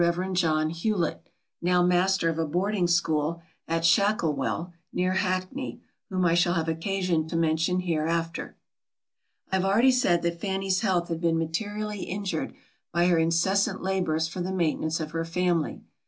John Hewlet, now master of a boarding school at Shacklewel near Hackney, whom I shall have occasion to mention hereafter. I have already said that Fanny's health had been materially injured by her incessant labours for the maintenance of her family.